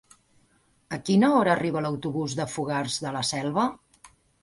A quina hora arriba l'autobús de Fogars de la Selva?